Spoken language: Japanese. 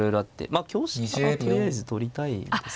まあ香車はとりあえず取りたいですか。